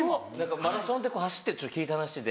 マラソンって聞いた話で。